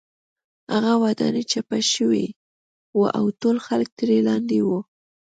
هغه ودانۍ چپه شوې وه او ټول خلک ترې لاندې وو